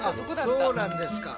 そうなんですか。